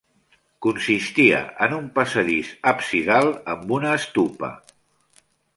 Consistia en un passadís absidal amb una stupa.